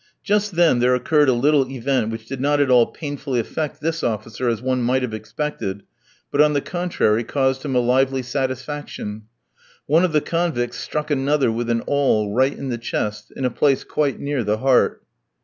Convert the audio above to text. Just then, there occurred a little event which did not at all painfully affect this officer as one might have expected, but, on the contrary, caused him a lively satisfaction. One of the convicts struck another with an awl right in the chest, in a place quite near the heart.